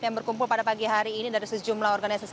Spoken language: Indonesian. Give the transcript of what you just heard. yang berkumpul pada pagi hari ini dari sejumlah organisasi